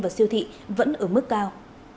và siêu thị vẫn ở mức cao